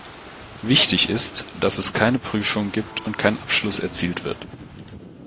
Wichtig ist, dass es keine Prüfungen gibt und kein Abschluss erzielt wird.